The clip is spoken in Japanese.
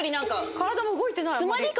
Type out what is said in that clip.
体も動いてない。